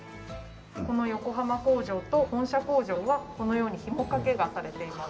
この横浜工場と本社工場はこのようにひもかけがされています。